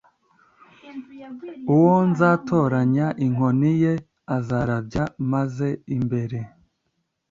Uwo nzatoranya inkoni ye izarabya maze imbere